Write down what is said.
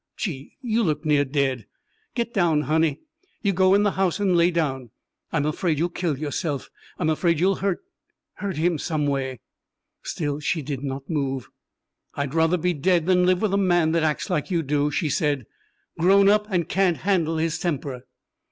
Gee, you look near dead get down, honey. You go in the house and lay down I'm afraid you'll kill yourself. I'm afraid you'll hurt him some way." Still she did not move. "I'd ruther be dead than live with a man that acts like you do," she said. "Grown up, and can't handle his temper."